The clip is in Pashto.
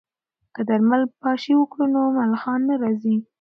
که درمل پاشي وکړو نو ملخان نه راځي.